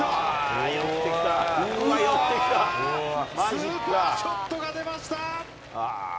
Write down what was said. スーパーショットが出ました。